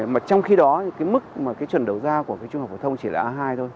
mà trong khi đó cái mức mà cái chuẩn đầu ra của cái trung học phổ thông chỉ là a hai thôi